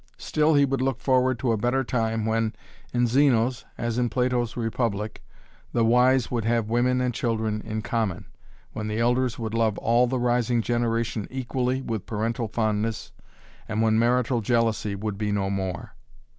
Still he would look forward to a better time when, in Zeno's as in Plato's republic, the wise would have women and children in common, when the elders would love all the rising generation equally with parental fondness, and when marital jealousy would be no more.